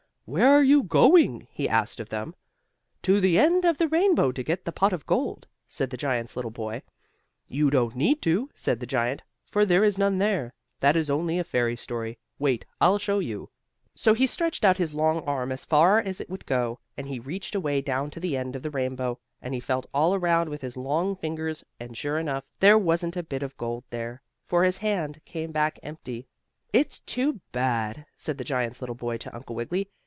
"Where are you going?" he asked of them. "To the end of the rainbow to get the pot of gold," said the giant's little boy. "You don't need to," said the giant, "for there is none there. That is only a fairy story. Wait, I'll show you." So he stretched out his long arm as far as it would go and he reached away down to the end of the rainbow and he felt all around with his long fingers, and sure enough, there wasn't a bit of gold there, for his hand came back empty. "It's too bad," said the giant's little boy to Uncle Wiggily.